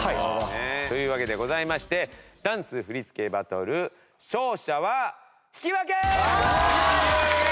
というわけでございましてダンス振り付けバトル勝者は引き分け！